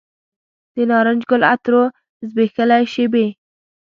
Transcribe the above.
د نارنج ګل عطرو زبیښلې شیبې